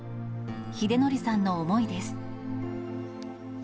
秀典さんの思いです。